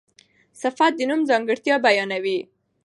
صفت د نوم ځانګړتیا بیانوي.